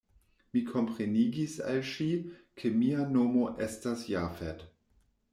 Mi komprenigis al ŝi, ke mia nomo estas Jafet.